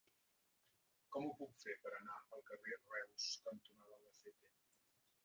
Com ho puc fer per anar al carrer Reus cantonada Albacete?